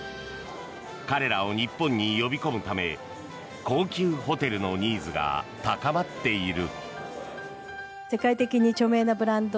彼らを日本に呼び込むため高級ホテルのニーズが高まっている。